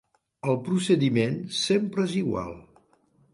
El procediment sempre és igual.